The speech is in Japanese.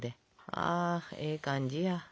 あええ感じや。